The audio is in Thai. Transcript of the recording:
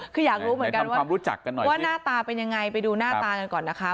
คืออยากรู้เหมือนกันว่าหน้าตาเป็นยังไงไปดูหน้าตากันก่อนนะคะ